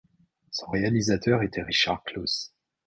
Son réalisateur était Richard Claus.